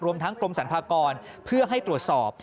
รวมทั้งกรมสรรพากรเพื่อให้ตรวจสอบ